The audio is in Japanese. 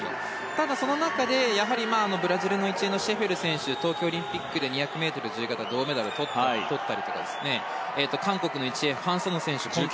ただ、その中でブラジルの１泳、シェフェル選手東京オリンピックで２００ｍ自由形で銅メダルをとったりとか韓国の１泳、ファン・ソヌ選手